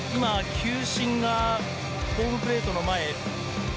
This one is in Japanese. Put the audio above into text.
球審がホームプレートの前。